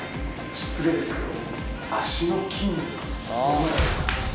失礼ですけど。